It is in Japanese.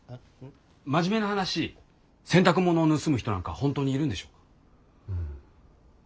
真面目な話洗濯物を盗む人なんか本当にいるんでしょうか。